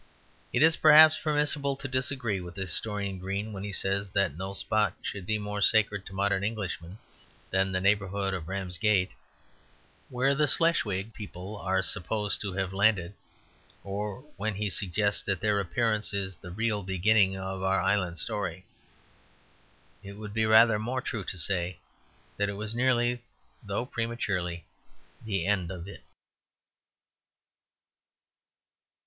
It is perhaps permissible to disagree with the historian Green when he says that no spot should be more sacred to modern Englishmen than the neighbourhood of Ramsgate, where the Schleswig people are supposed to have landed; or when he suggests that their appearance is the real beginning of our island story. It would be rather more true to say that it was nearly, though prematurely, the end of it.